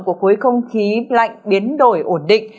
của cuối không khí lạnh biến đổi ổn định